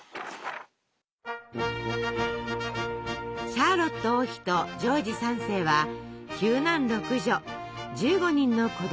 シャーロット王妃とジョージ３世は９男６女１５人の子どもをもうけました。